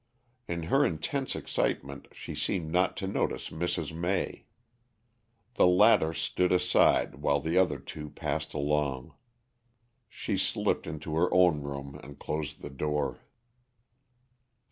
In her intense excitement she seemed not to notice Mrs. May. The latter stood aside while the other two passed along. She slipped into her own room and closed the door.